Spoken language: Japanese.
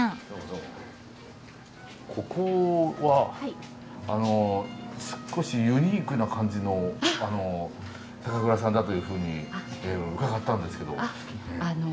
ここは少しユニークな感じの酒蔵さんだというふうに伺ったんですけど。